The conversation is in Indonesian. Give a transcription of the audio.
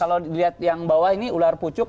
kalau dilihat yang bawah ini ular pucuk